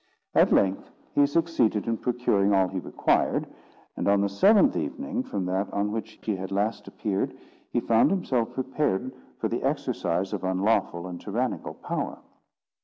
At length he succeeded in procuring all he required; and on the seventh evening from that on which she had last appeared, he found himself prepared for the exercise of unlawful and tyrannical power.